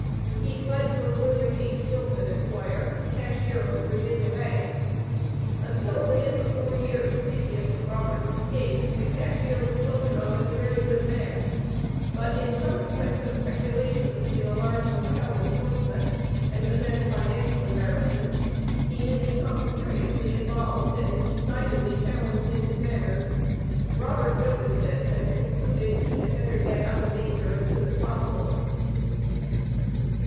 He fled from Wm. H. Wilson, Esq., Cashier of the Virginia Bank. Until within the four years previous to Robert's escape, the cashier was spoken of as a "very good man;" but in consequence of speculations in a large Hotel in Portsmouth, and the then financial embarrassments, "he had become seriously involved," and decidedly changed in his manners. Robert noticed this, and concluded he had "better get out of danger as soon as possible."